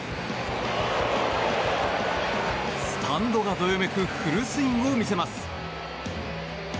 スタンドがどよめくフルスイングを見せます。